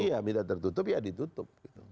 iya minta tertutup ya ditutup